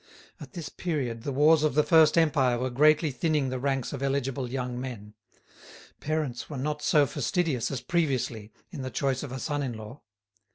At this period the wars of the First Empire were greatly thinning the ranks of eligible young men. Parents were not so fastidious as previously in the choice of a son in law.